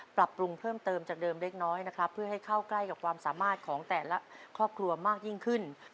ปรับปรุงเพิ่มเติมจากเดิมเล็กน้อยนะครับเพื่อให้เข้าใกล้กับความสามารถของแต่ละครอบครัวมากยิ่งขึ้น